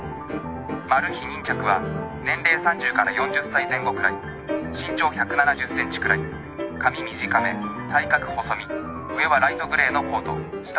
マル被人着は年齢３０から４０歳前後くらい身長１７０ｃｍくらい髪短め体格細身上はライトグレーのコート下は濃いグレーのズボン。